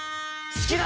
好きだ！